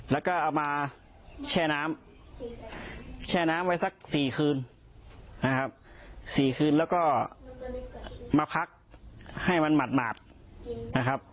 แล้วก็เอามาแช่น้ำแช่น้ำไว้สัก๔คืนนะครับ๔คืนแล้วก็มาพักให้มันหมาดนะครับ